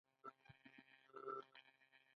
آیا موبایل خدمات په هر ځای کې نشته؟